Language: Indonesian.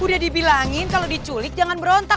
udah dibilangin kalau diculik jangan berontak